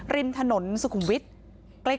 ริมถนนสกุมวิทย์